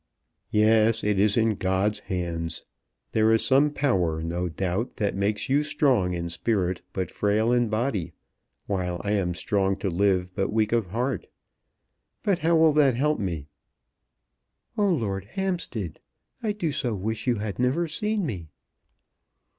"Yes; it is in God's hands. There is some power, no doubt, that makes you strong in spirit, but frail in body; while I am strong to live but weak of heart. But how will that help me?" "Oh, Lord Hampstead, I do so wish you had never seen me."